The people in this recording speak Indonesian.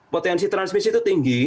potensi transmisi itu tinggi